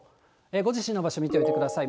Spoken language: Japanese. ご自身の場所見ておいてください。